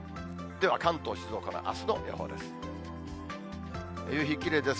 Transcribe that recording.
では関東、静岡のあすの予報です。